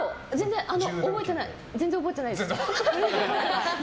全然覚えてないです。